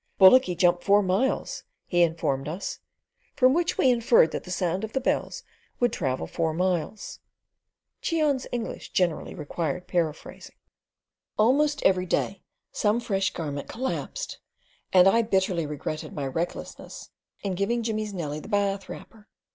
"Bullocky jump four miles," he informed us; from which we inferred that the sound of the bells would travel four miles. Cheon's English generally required paraphrasing. Almost every day some fresh garment collapsed, and I bitterly regretted my recklessness in giving Jimmy's Nellie the bath wrapper.